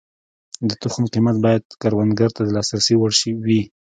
د تخم قیمت باید کروندګر ته د لاسرسي وړ وي.